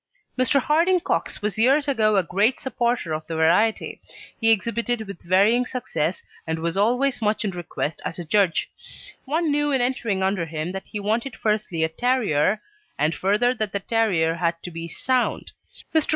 Mr. Harding Cox was years ago a great supporter of the variety. He exhibited with varying success, and was always much in request as a judge; one knew in entering under him that he wanted firstly a terrier, and further that the terrier had to be sound. Mr.